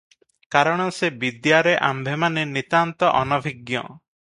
କାରଣ ସେ ବିଦ୍ୟାରେ ଆମ୍ଭେମାନେ ନିତାନ୍ତ ଅନଭିଜ୍ଞ